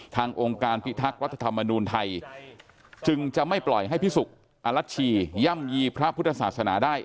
องค์การพิทักษ์รัฐธรรมนูลไทยจึงจะไม่ปล่อยให้พิสุกอรัชชีย่ำยีพระพุทธศาสนาได้